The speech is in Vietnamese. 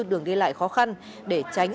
đường đi lại khó khăn để tránh